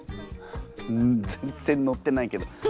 うん全然乗ってないけど。